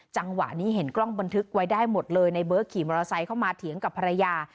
จังหวะนี้เห็นกล้องบันทึกไว้ได้หมดเลยในเบิร์ตขี่มอเตอร์ไซค์เข้ามาเถียงกับภรรยา